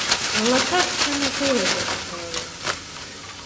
Валачашчай натуры гэты чалавек.